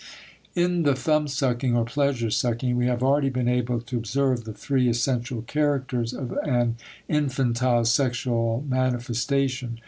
In the thumbsucking or pleasure sucking we have already been able to observe the three essential characters of an infantile sexual manifestation.